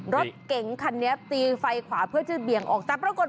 รถเก๋งคันนี้ตีไฟขวาเพื่อจะเบี่ยงออกแต่ปรากฏ